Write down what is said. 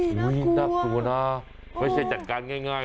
เฮ้ยน่ากลัวนะน่ากลัวนะมันจะจัดการง่ายน่า